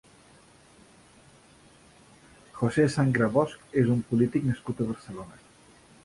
Jose Sangra Bosch és un polític nascut a Barcelona.